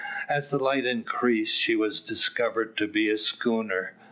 As the light increased, she was discovered to be a schooner.